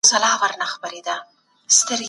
د نرمښت قانون په سختیو کې مرسته کوي.